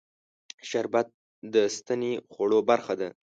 شربت د سنتي خوړو برخه ده